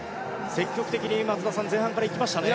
積極的に前半から行きましたね。